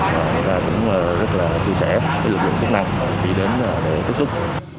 và người ta cũng rất là chia sẻ với lực lượng chức năng khi đến để tiếp xúc